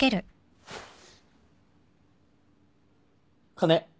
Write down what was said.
金。